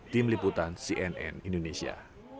tim liputan cnn indonesia